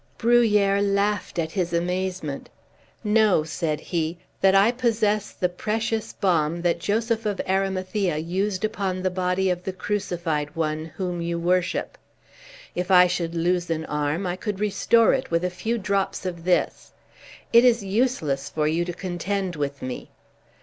Bruhier laughed at his amazement. "Know," said he, "that I possess the precious balm that Joseph of Arimathea used upon the body of the crucified one, whom you worship. If I should lose an arm I could restore it with a few drops of this. It is useless for you to contend with me.